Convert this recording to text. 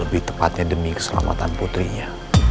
lebih tepatnya demi keselamatan putrinya